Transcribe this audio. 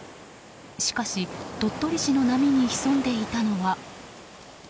しかし鳥取市の波にひそんでいたのは。